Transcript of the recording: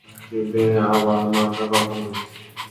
কিন্তু এ আবালমার্কা কথা না!